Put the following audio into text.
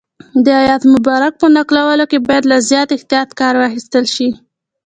د آیت مبارک په نقلولو کې باید له زیات احتیاط کار واخیستل شي.